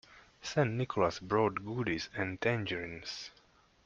St. Nicholas brought goodies and tangerines.